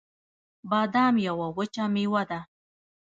بادام یوه وچه مېوه ده